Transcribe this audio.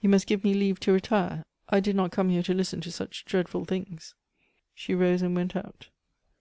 "You must give me leave to retire. I did not come here to listen to such dreadful things." She rose and went out.